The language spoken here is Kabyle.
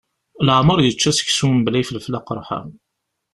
Laεmeṛ yečča seksu mbla ifelfel aqerḥan.